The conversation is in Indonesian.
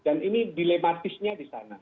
dan ini dilematisnya di sana